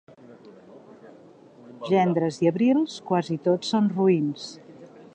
Gendres i abrils, quasi tots són roïns.